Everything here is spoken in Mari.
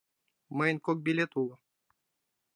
Мыйын кок билет уло.